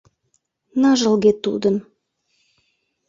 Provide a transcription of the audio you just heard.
Ныжылге тудын